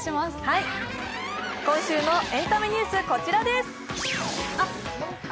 今週のエンタメニュース、こちらです。